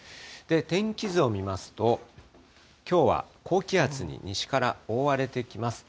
天気図を見ますと、きょうは高気圧に西から覆われてきます。